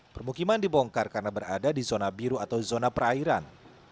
permukiman dibongkar karena berada di zona biru atau zona perairan